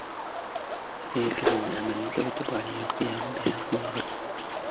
لدي الكثير من الاعمال يتوجب علي القيام بها قبل الغد.